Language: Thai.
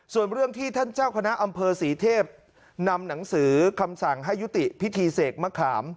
ส่วนเรื่องที่ท่านเจ้าคณะอำเภอศรีเทพนำหนังสือคำสั่งให้ยุติพิธีเสกมะขาม